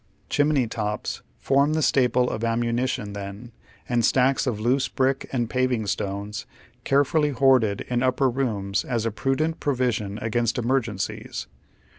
Chimney tops form the staple of ammunition then, and stacks of loose brick and paving stones, carefully hoarded in upper rooms as a prudent provision against emergen cies.